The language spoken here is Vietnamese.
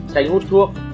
tránh hút thuốc